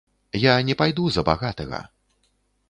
Я не пайду за багатага.